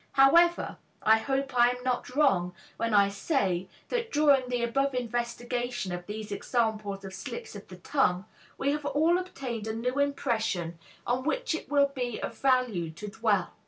However, I hope I am not wrong when I say that during the above investigation of these examples of slips of the tongue, we have all obtained a new impression on which it will be of value to dwell.